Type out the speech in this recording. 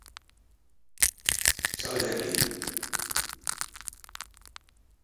Sal de aquí.